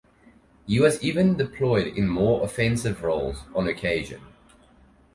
He was even deployed in more offensive roles on occasion.